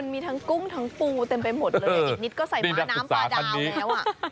มีทั้งกุ้งทั้งปูเต็มไปหมดเลยอีกนิดก็ใส่ม้าน้ำปลาดาวแล้วอ่ะ